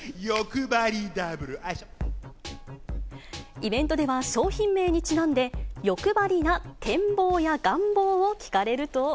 イベントでは、商品名にちなんで、よくばりな展望や願望を聞かれると。